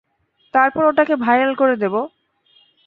তারপর ওটাকে ভাইরাল করে দেবো।